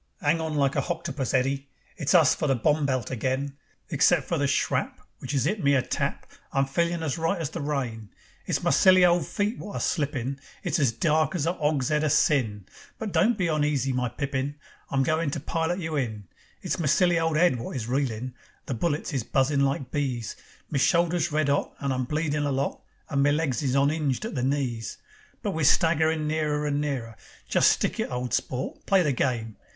"'Ang on like a hoctopus, Eddy. It's us for the bomb belt again. Except for the shrap Which 'as 'it me a tap, I'm feelin' as right as the rain. It's my silly old feet wot are slippin', It's as dark as a 'ogs'ead o' sin, But don't be oneasy, my pippin, I'm goin' to pilot you in. It's my silly old 'ead wot is reelin'. The bullets is buzzin' like bees. Me shoulder's red 'ot, And I'm bleedin' a lot, And me legs is on'inged at the knees. But we're staggerin' nearer and nearer. Just stick it, old sport, play the game.